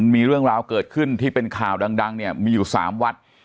มีเรื่องราวเกิดขึ้นที่เป็นข่าวดังเนี่ยมีอยู่๓วัด